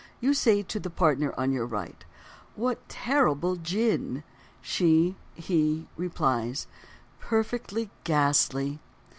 _ You say to the partner on your right: "What terrible gin!" She (he) replies: "Perfectly ghastly."